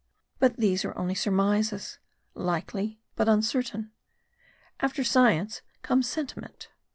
But these are only surmises ; likely, but uncertain. After science comes sentiment.